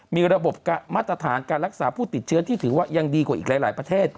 มีระบบมาตรฐานการรักษาผู้ติดเชื้อที่ถือว่ายังดีกว่าอีกหลายประเทศ